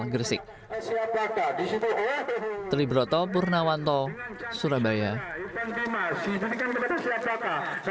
dan lolos ke final bertemu dengan tim asal gresik